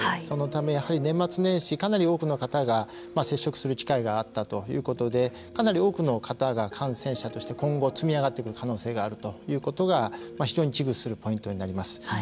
そのため、やはり年末年始かなり多くの方が接触する機会があったということでかなり多くの方が感染者として今後積み上がってくる可能性があるということが非常に危惧するポイントになります。